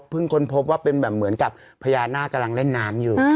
ค้นพบว่าเป็นแบบเหมือนกับพญานาคกำลังเล่นน้ำอยู่